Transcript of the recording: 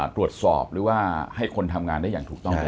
ตรวจสอบหรือว่าให้คนทำงานได้อย่างถูกต้อง